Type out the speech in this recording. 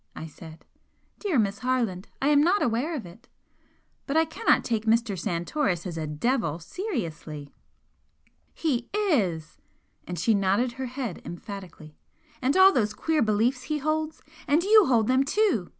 I said. "Dear Miss Harland, I am not aware of it! But I cannot take Mr. Santoris as a 'devil' seriously!" "He is!" And she nodded her head emphatically "And all those queer beliefs he holds and you hold them too!